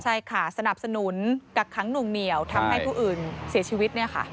ใช่ค่ะสนับสนุนกักขังหน่วงเหนียวทำให้ผู้อื่นเสียชีวิต